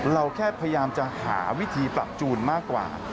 เราแค่พยายามจะหาวิธีปรับจูนมากกว่า